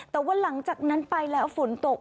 แต่ว่าหลังจากนั้นไปแล้วฝนตก